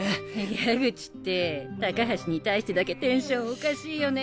矢口って高橋に対してだけテンションおかしいよね。